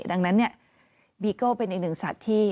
ดังนั้นบีโก้เป็นอีกหนึ่งสัตว์ที่